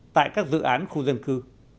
tại các dự án khu dân cư